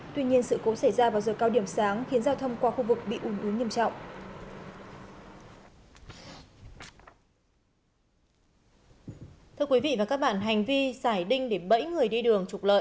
tuy nhiên sự cố xảy ra vào giờ cao điểm sáng khiến giao thông qua khu vực bị ủng ứ nghiêm trọng